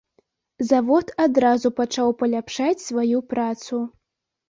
Завод адразу пачаў паляпшаць сваю працу.